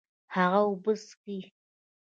هغه اوبه څښي